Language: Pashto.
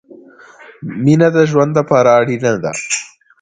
مينه د ژوند له پاره اړينه ده